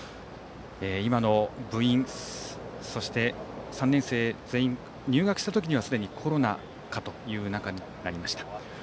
今の部員、そして３年生全員入学したときにはすでにコロナ禍という中になりました。